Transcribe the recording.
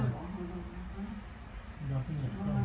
อาทิตย์ไม่ควรล่ะ